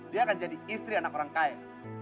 dia akan jadi istri anak orang kaya